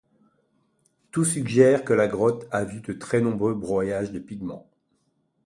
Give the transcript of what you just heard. Tout suggère que la grotte a vu de très nombreux broyages de pigments.